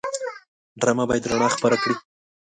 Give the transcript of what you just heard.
ډرامه باید رڼا خپره کړي